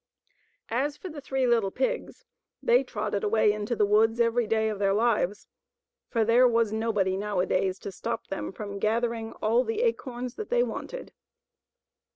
As for the three little pigs, they trotted away into the woods every day of their lives, for there was nobody nowadays to stop them from gathering all the acorns that they wanted.